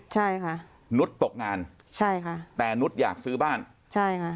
ใช่ค่ะนุษย์ตกงานใช่ค่ะแต่นุษย์อยากซื้อบ้านใช่ค่ะ